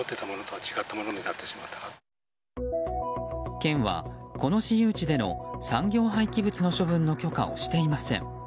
県は、この私有地での産業廃棄物の処分の許可をしていません。